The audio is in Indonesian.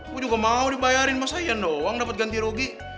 gue juga mau dibayarin sama saya doang dapat ganti rugi